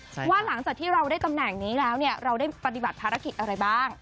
ใช่ว่าหลังจากที่เราได้ตำแหน่งนี้แล้วเนี่ยเราได้ปฏิบัติภารกิจอะไรบ้าง